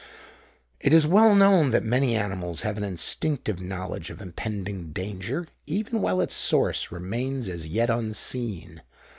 It is well known that many animals have an instinctive knowledge of impending danger, even while its source remains as yet unseen.